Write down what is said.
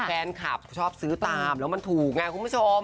แฟนคลับชอบซื้อตามแล้วมันถูกไงคุณผู้ชม